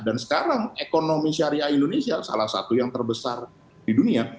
dan sekarang ekonomi syariah indonesia salah satu yang terbesar di dunia